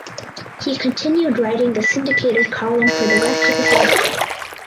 He continued writing the syndicated column for the rest of his life.